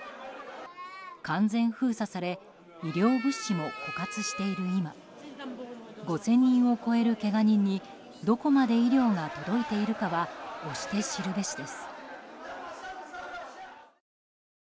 完全封鎖され医療物資も枯渇している今５０００人を超えるけが人にどこまで医療が届いているかは推して知るべしです。